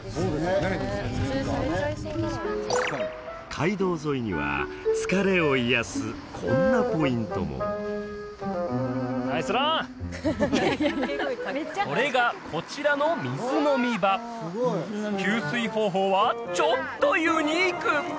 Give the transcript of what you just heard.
街道沿いには疲れを癒やすこんなポイントもそれがこちらの水飲み場給水方法はちょっとユニーク！